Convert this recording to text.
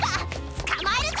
つかまえるぞ！